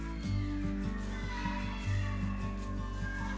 ketika overpopulasi itu tidak bisa ditekan